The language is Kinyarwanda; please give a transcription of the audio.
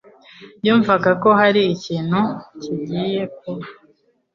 Yumvaga ko hari ikintu kigiye kuba.